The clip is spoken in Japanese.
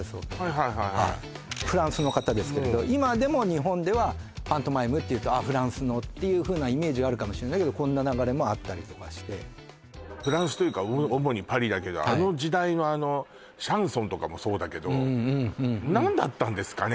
はいはいはいフランスの方ですけれど今でも日本ではパントマイムっていうとああフランスのってイメージがあるかもしれないけどこんな流れもあったりとかしてフランスというか主にパリだけどあの時代のあのシャンソンとかもそうだけど何だったんですかね？